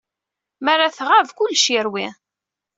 Mi ara tɣab, kullec irewwi.